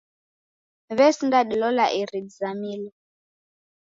W'esinda dilola eri dizamilo.